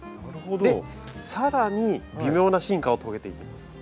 更に微妙な進化を遂げていきます。